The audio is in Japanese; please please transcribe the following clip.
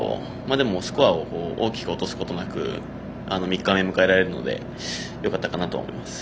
でもスコアを大きく落とすことなく３日目を迎えられるのでよかったかなと思います。